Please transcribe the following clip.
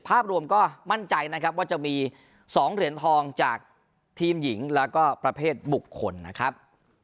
ภาพรวมก็มั่นใจนะครับว่าจะมี๒เหรียญทองจากทีมหญิงแล้วก็ประเภทบุคคลนะครับ